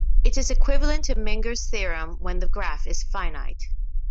It is equivalent to Menger's theorem when the graph is finite.